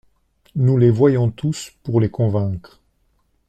Nous les voyons tous, pour les convaincre.